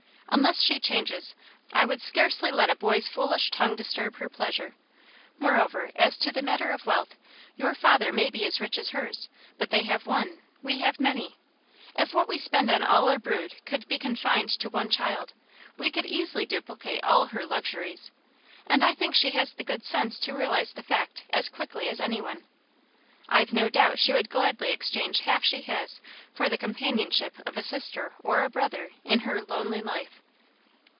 Unless she changes, I would scarcely let a boy's foolish tongue disturb her pleasure. Moreover, as to the matter of wealth, your father may be as rich as hers; but they have one, we have many. If what we spend on all our brood could be confined to one child, we could easily duplicate all her luxuries, and I think she has the good sense to realize the fact as quickly as any one. I've no doubt she would gladly exchange half she has for the companionship of a sister or a brother in her lonely life."